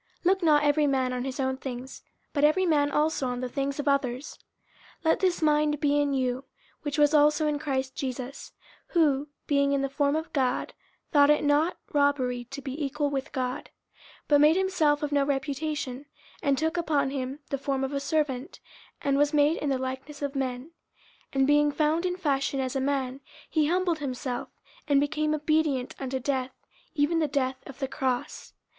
50:002:004 Look not every man on his own things, but every man also on the things of others. 50:002:005 Let this mind be in you, which was also in Christ Jesus: 50:002:006 Who, being in the form of God, thought it not robbery to be equal with God: 50:002:007 But made himself of no reputation, and took upon him the form of a servant, and was made in the likeness of men: 50:002:008 And being found in fashion as a man, he humbled himself, and became obedient unto death, even the death of the cross.